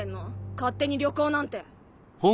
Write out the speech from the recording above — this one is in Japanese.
勝手に旅行なんて。